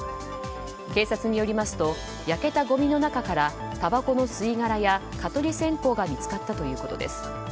警察によりますと焼けたごみの中からたばこの吸い殻や、蚊取り線香が見つかったということです。